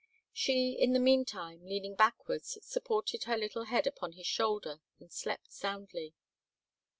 She, in the meantime, leaning backwards, supported her little head upon his shoulder and slept soundly.